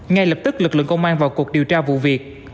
ngay lập tức lực lượng công an vào cuộc điều tra vụ việc